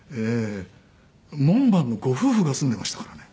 門番のご夫婦が住んでましたからね。